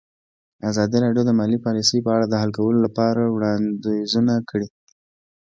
ازادي راډیو د مالي پالیسي په اړه د حل کولو لپاره وړاندیزونه کړي.